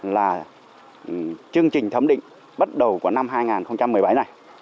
là chương trình thấm định bắt đầu của năm hai nghìn một mươi bảy này